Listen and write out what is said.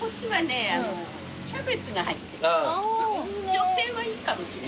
女性はいいかもしれない。